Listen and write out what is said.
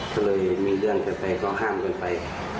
ก็เลยมีเรื่องกันไปก็ห้ามกันไป